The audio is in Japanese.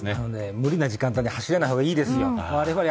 無理な時間帯に走らないほうがいいですよ。